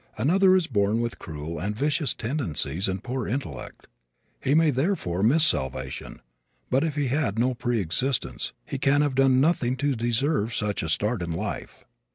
Another is born with cruel and vicious tendencies and poor intellect. He may therefore miss salvation, but if he had no pre existence he can have done nothing to deserve such a start in life.